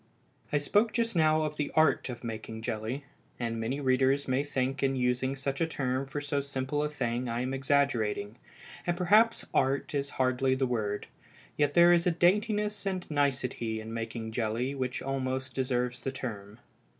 I spoke just now of the art of making jelly, and many readers may think in using such a term for so simple a thing I am exaggerating, and perhaps "art" is hardly the word, yet there is a daintiness and nicety in making jelly which almost deserves the term.